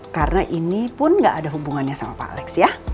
karena ini pun gak ada hubungannya sama pak alex ya